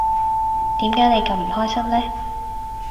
點解你咁唔開心呢